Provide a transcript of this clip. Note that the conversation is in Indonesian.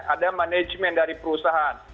ada manajemen dari perusahaan